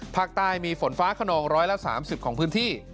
ภาคใต้มีฝนฟ้าขนองร้อยละ๓๐ของพื้นที่